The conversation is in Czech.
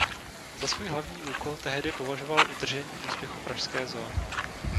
Za svůj hlavní úkol tehdy považoval udržení úspěchu pražské zoo.